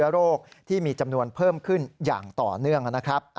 โรคที่มีจำนวนเพิ่มขึ้นอย่างต่อเนื่องนะครับ